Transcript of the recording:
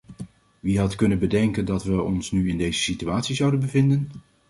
Wie had kunnen bedenken dat we ons nu in deze situatie zouden bevinden?